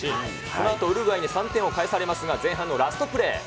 このあとウルグアイに３点を返されますが、前半のラストプレー。